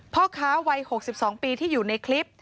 พ่อค้าวัย๖๒ปีที่อยู่ในคลิป